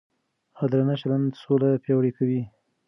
عادلانه چلند سوله پیاوړې کوي.